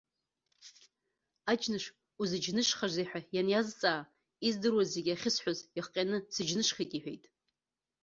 Аџьныш узыџьнышхазеи ҳәа ианиазҵаа, издыруаз зегьы ахьысҳәоз иахҟьаны сыџьнышхеит иҳәеит.